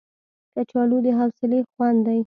کچالو د حوصلې خوند دی